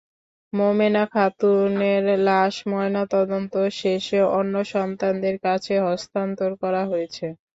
মোমেনা খাতুনের লাশ ময়নাতদন্ত শেষে অন্য সন্তানদের কাছে হস্তান্তর করা হয়েছে।